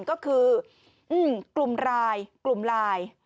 ก็คือกลุ่มลาย